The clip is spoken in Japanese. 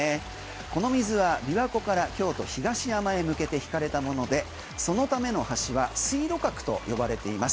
この水は琵琶湖から京都・東山へ向けて引かれたものでそのための橋は水路閣と呼ばれています。